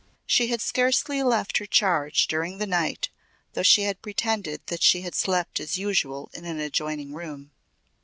She had scarcely left her charge during the night though she had pretended that she had slept as usual in an adjoining room.